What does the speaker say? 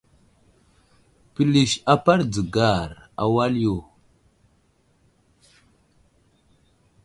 Pəlis apar dzəgar wal yo.